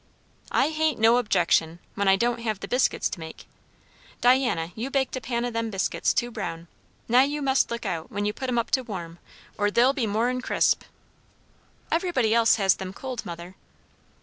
"I hain't no objection when I don't have the biscuits to make. Diana, you baked a pan o' them biscuits too brown. Now you must look out, when you put 'em to warm up, or they'll be more'n crisp." "Everybody else has them cold, mother."